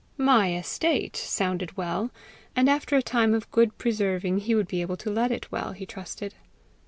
"My estate" sounded well, and after a time of good preserving he would be able to let it well, he trusted.